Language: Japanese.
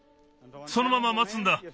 そのまままつんだ。